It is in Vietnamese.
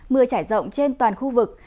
mưa trải rộng trên toàn khu vực